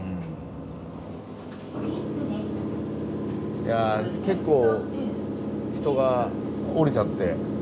いや結構人が降りちゃって。